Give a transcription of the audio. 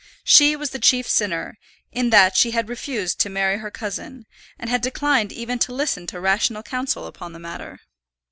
She was the chief sinner, in that she had refused to marry her cousin, and had declined even to listen to rational counsel upon the matter.